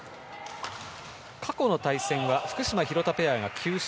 過去の対戦は福島、廣田ペアが９勝。